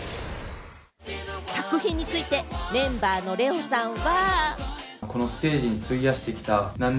作品について、メンバーのＬＥＯさんは。